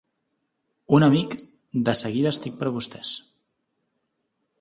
Un amic, de seguida estic per vostès.